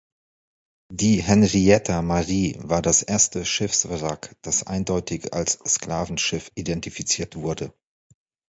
Die "Henrietta Marie" war das erste Schiffswrack, das eindeutig als Sklavenschiff identifiziert wurde.